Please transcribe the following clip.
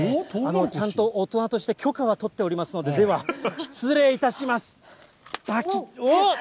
ちゃんと大人として許可は取っておりますので、では、失礼いたします。